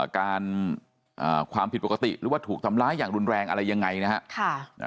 ความผิดปกติหรือว่าถูกทำร้ายอย่างรุนแรงอะไรยังไงนะครับ